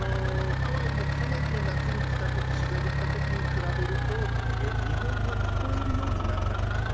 ハワイも去年の夏に取材で来た時に比べると日本語が聞こえるようになったかなと。